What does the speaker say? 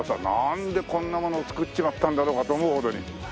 なんでこんなものを造っちまったんだろうかと思うほどに。